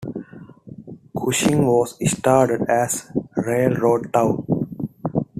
Cushing was started as a railroad town.